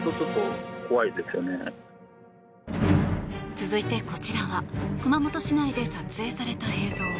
続いて、こちらは熊本市内で撮影された映像。